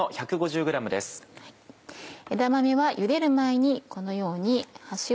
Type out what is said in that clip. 枝豆はゆでる前にこのように端を。